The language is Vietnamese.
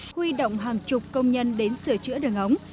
huy động hàng chục công nhân đến sửa chữa đường ống